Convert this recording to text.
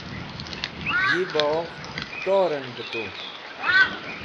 yi bogh tor'en b tu